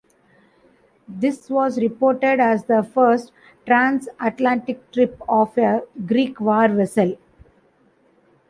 This was reported as the first transatlantic trip of a Greek war vessel.